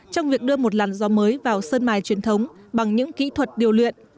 trong việc đưa một lần gió mới vào sơn mải truyền thống bằng những kỹ thuật điều luyện